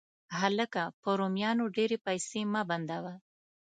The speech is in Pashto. هلکه، په رومیانو ډېرې پیسې مه بندوه.